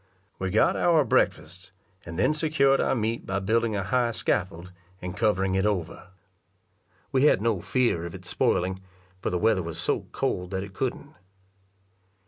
We got our breakfasts, and then secured our meat by building a high scaffold, and covering it over. We had no fear of its spoiling, for the weather was so cold that it couldn't.